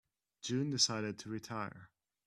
June decided to retire.